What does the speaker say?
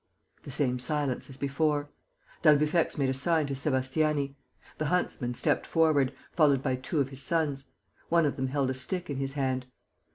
The same silence as before. D'Albufex made a sign to Sébastiani. The huntsman stepped forward, followed by two of his sons. One of them held a stick in his hand.